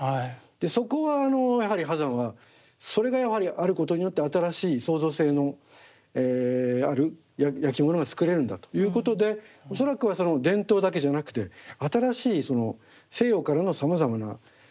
そこはやはり波山はそれがやはりあることによって新しい創造性のあるやきものが作れるんだということで恐らくはその伝統だけじゃなくて新しい西洋からのさまざまな技術デザイン。